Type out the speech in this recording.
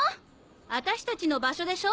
あたし達の場所でしょ